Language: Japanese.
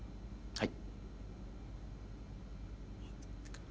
はい？